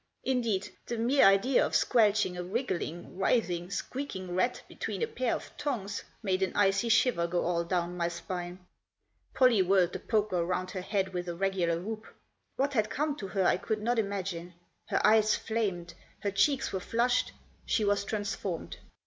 Indeed, the mere idea of squelching a wriggling, writhing, squeaking rat between a pair of tongs made an icy shiver go all down my spine. Pollie whirled the poker round her head with a regular whoop. What had come to her I could not imagine. Her eyes flamed ; her cheeks were flushed ; she was transformed.